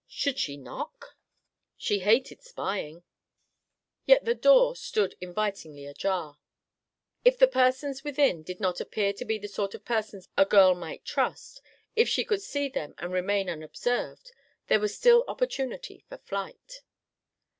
Should she knock? She hated spying; yet the door stood invitingly ajar. If the persons within did not appear to be the sort of persons a girl might trust; if she could see them and remain unobserved, there was still opportunity for flight.